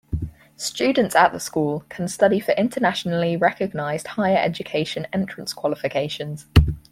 Students at the school can study for internationally recognised higher education entrance qualifications.